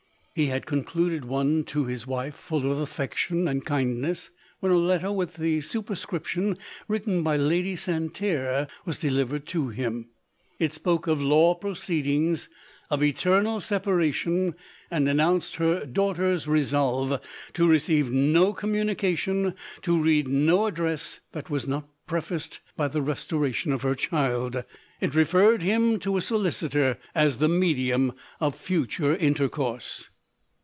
He had concluded one to his wife full of affection and kindness, when a letter with the superscription written by Lady Santerre was delivered to him. It spoke of law proceedings, of eternal separation, and announced her daugh ter's resolve to receive no communication, to read no address, that was not prefaced by the restoration of her child ; it referred him to a solicitor as the medium of future intercourse. LODORE.